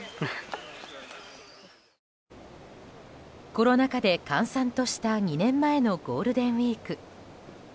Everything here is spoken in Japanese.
コロナ禍で閑散とした２年前のゴールデンウィーク。